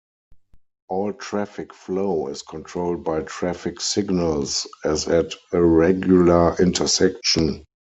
All traffic flow is controlled by traffic signals as at a regular intersection.